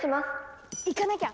行かなきゃ！